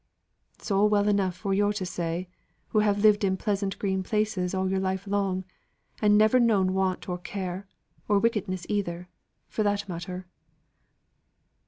"It's all well enough for yo' to say so, who have lived in pleasant green places all your life long, and never known want or care, or wickedness either, for that matter."